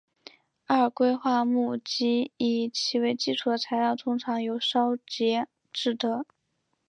二硅化钼及以其为基础的材料通常由烧结制得。